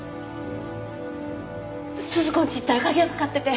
鈴子んち行ったら鍵が掛かってて。